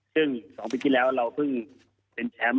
ซึ่ง๒ปีที่แล้วเราเพิ่งเป็นแชมป์